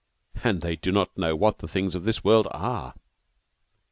And they do not know what the things of this world are!